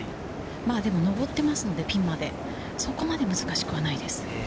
でも上ってますのでピンまで、そこまで難しくはないです。